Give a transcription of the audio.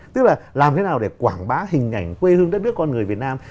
tức là làm thế nào để quảng bá hình ảnh quê hương đất nước con người việt nam